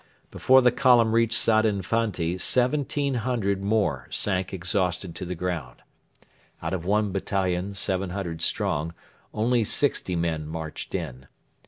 Before the column reached Sadin Fanti 1,700 more sank exhausted to the ground. Out of one battalion 700 strong, only sixty men marched in.